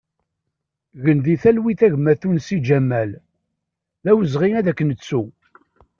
Gen di talwit a gma Tunsi Ǧamal, d awezɣi ad k-nettu!